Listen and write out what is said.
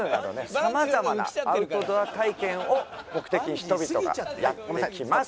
様々なアウトドア体験を目的に人々がやって来ます。